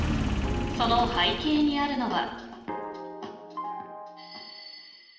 その背景にあるのは。